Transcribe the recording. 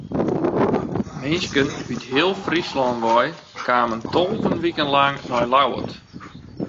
Minsken út heel Fryslân wei kamen tolve wiken lang nei Ljouwert.